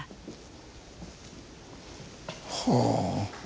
はあ。